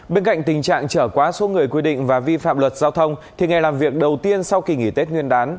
bên cạnh tình trạng trở quá số người quy định và vi phạm luật giao thông thì ngày làm việc đầu tiên sau kỳ nghỉ tết nguyên đán